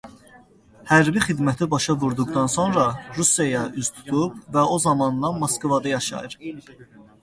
Hərbi xidməti başa vurduqdan sonra Rusiyaya üz tutub və o zamandan Moskvada yaşayır.